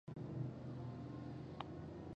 هغه بايد هرو مرو د جګړې په ډګر کې بريا ترلاسه کړې وای.